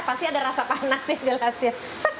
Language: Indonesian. pasti ada rasa panas yang jelas ya